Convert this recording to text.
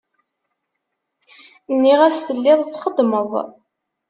Nniɣ-as telliḍ txeddmeḍ.